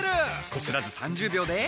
こすらず３０秒で。